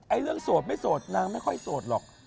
เรื่องโสดไม่โสดนางไม่ค่อยโสดหรอก